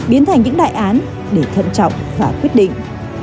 biến thành những đại án để thận trọng và quyết định